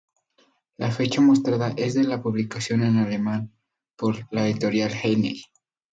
La fecha mostrada es de la publicación en alemán por la editorial Heyne.